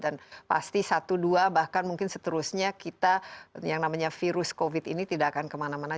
dan pasti satu dua bahkan mungkin seterusnya kita yang namanya virus covid ini tidak akan kemana mana